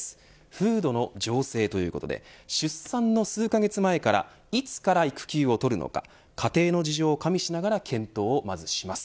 風土の醸成ということで出産の数カ月前からいつから育休をとるのか家庭の事情を加味しながら検討をまずします。